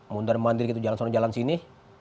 mundur mandiri gitu jalan sondir jalan sini